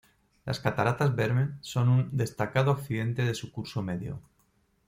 Las cataratas Verme son un destacado accidente de su curso medio.